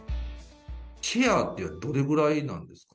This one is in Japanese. シェアってどれぐらいなんですか？